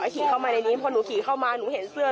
ขี่เข้ามาในนี้พอหนูขี่เข้ามาหนูเห็นเสื้อ